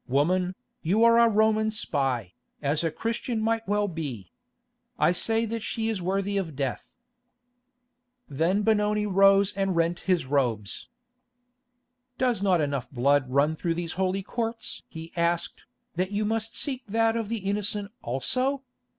Woman, you are a Roman spy, as a Christian well might be. I say that she is worthy of death." Then Benoni rose and rent his robes. "Does not enough blood run through these holy courts?" he asked, "that you must seek that of the innocent also?